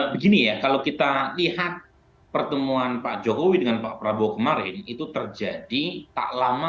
begini ya kalau kita lihat pertemuan pak jokowi dengan pak prabowo kemarin itu terjadi tak lama